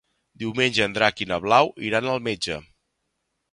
Diumenge en Drac i na Blau iran al metge.